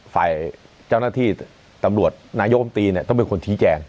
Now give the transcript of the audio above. ฝ่ายเจ้าหน้าที่ตำรวจนางโยภัมตี